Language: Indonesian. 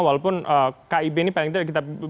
walaupun kib ini paling tidak kita